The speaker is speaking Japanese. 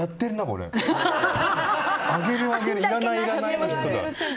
俺、あげるあげるいらないいらないの人だ。